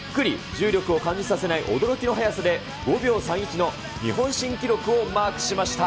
重量を感じさせない、驚きの速さで５秒３１の日本新記録をマークしました。